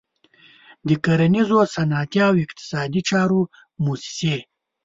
د کرنیزو، صنعتي او اقتصادي چارو موسسې.